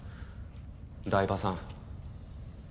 台場さん。